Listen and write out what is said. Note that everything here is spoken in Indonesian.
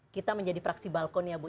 kita menjadi fraksi balkon ya bu